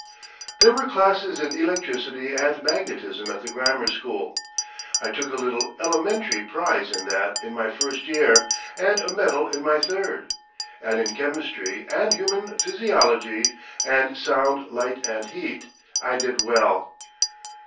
There were classes in Electricity and Magnetism at the Grammar School. I took a little "elementary" prize in that in my first year and a medal in my third; and in Chemistry and Human Physiology and Sound, Light and Heat, I did well.